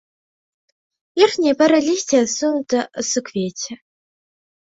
Верхняя пара лісця адсунута ад суквецці.